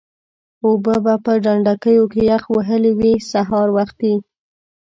اوبه به په ډنډوکیو کې یخ وهلې وې سهار وختي.